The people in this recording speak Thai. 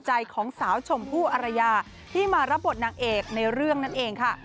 ใจของสาวชมพู่อรยาที่มารับบทนางเอกในเรื่องนั่นเองค่ะ